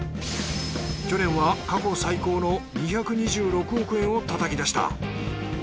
去年は過去最高の２２６億円を叩き出した。